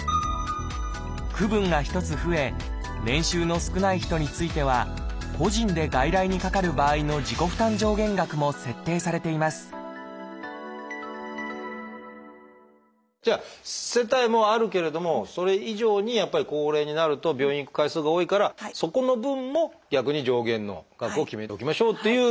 区分が１つ増え年収の少ない人については個人で外来にかかる場合の自己負担上限額も設定されていますじゃあ世帯もあるけれどもそれ以上にやっぱり高齢になると病院に行く回数が多いからそこの分も逆に上限の額を決めておきましょうという。